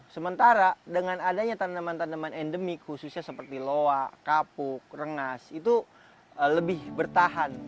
sementara dengan adanya tanaman tanaman endemik khususnya seperti loa kapuk rengas itu lebih bertahan